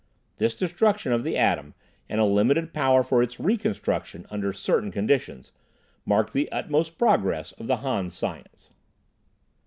This destruction of the atom, and a limited power for its reconstruction under certain conditions, marked the utmost progress of the Han science.